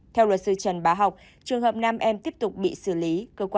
theo luật sư trần bá học trường hợp nam em tiếp tục bị xử lý